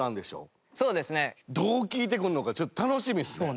どう効いてくるのかちょっと楽しみですね。